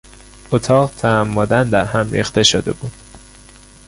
اتاق تعمدا در هم ریخته شده بود.